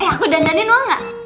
eh aku dandanin mau nggak